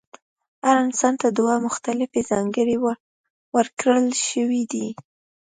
هر انسان ته دوه مختلفې ځانګړنې ورکړل شوې دي.